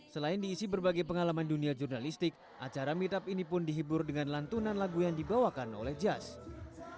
selain diisi berbagai pengalaman dunia jurnalistik acara meet up ini pun dihibur dengan lantunan lagu yang dibawakan oleh jazz